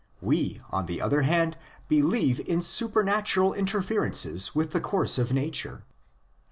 We, on the other hand, believe in super natural interferences with the course of nature.